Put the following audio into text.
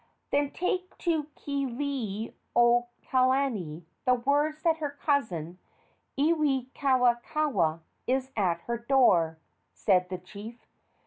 "Then take to Kealiiokalani the words that her cousin, Iwikauikaua, is at her door," said the chief.